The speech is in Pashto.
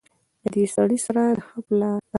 ددې سړي سره د هغه پلار